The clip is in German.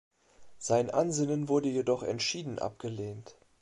Sein Ansinnen wurde jedoch entschieden abgelehnt.